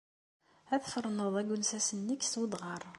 Ad tferneḍ agensas-nnek s wedɣar.